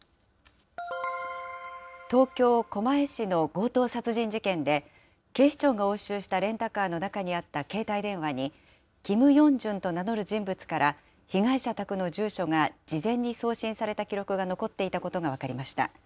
東京・狛江市の強盗殺人事件で、警視庁が押収したレンタカーの中にあった携帯電話に、キム・ヨンジュンと名乗る人物から、被害者宅の住所が事前に送信された記録が残っていたことが分かりました。